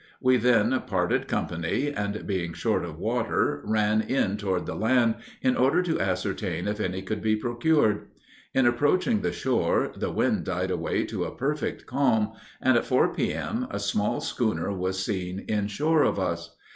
We then parted company, and, being short of water, ran in toward the land, in order to ascertain if any could be procured. In approaching the shore, the wind died away to a perfect calm; and, at 4 P.M., a small schooner was seen in shore of us.